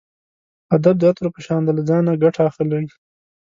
ادب د عطرو په شان دی له ځانه ګټه اخلئ.